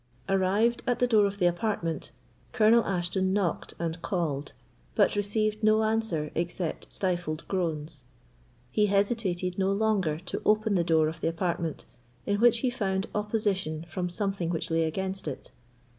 Arrived at the door of the apartment, Colonel Ashton knocked and called, but received no answer except stifled groans. He hesitated no longer to open the door of the apartment, in which he found opposition from something which lay against it.